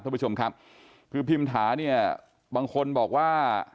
ท่านผู้ชมครับคือพิมถาเนี่ยบางคนบอกว่า